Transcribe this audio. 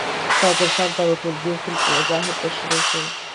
شاګردانو ته د ټولګي اصول په وضاحت تشریح شول.